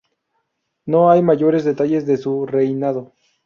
No hay mayores detalles de su reinado.